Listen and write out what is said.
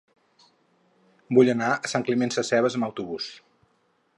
Vull anar a Sant Climent Sescebes amb autobús.